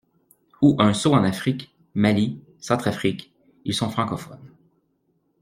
Ou un saut en Afrique, Mali, Centrafrique, ils sont francophones.